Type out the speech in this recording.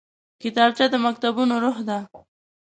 کتابچه د مکتبونو روح ده